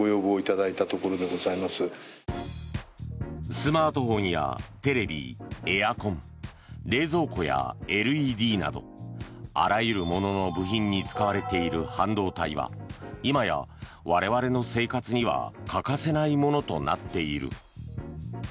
スマートフォンやテレビエアコン、冷蔵庫やＬＥＤなどあらゆるものの部品に使われている半導体は今や我々の生活には欠かせないものとなっている。